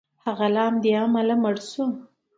هغه له همدې امله مړ شو.